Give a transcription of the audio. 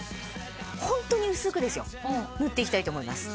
ホントに薄くですよ塗っていきたいと思います。